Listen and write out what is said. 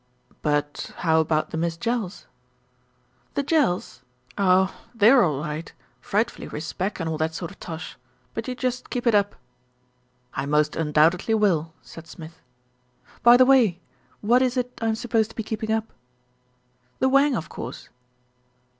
"But how about the Miss Jells?" "The Jells. Oh ! they're all right, frightfully respec and all that sort of tosh; but you just keep it up." "I most undoubtedly will," said Smith. "By the way, what is it I'm supposed to be keeping up?" "The wang, of course."